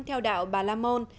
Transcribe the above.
theo đạo bà lamôn